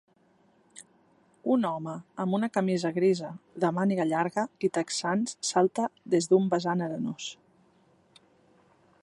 Un home amb una camisa grisa de màniga llarga i texans salta des d'un vessant arenós.